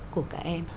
của các em